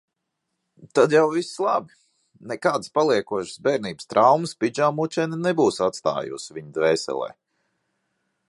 Tad jau viss labi, nekādas paliekošas bērnības traumas pidžamučene nebūs atstājusi viņa dvēselē.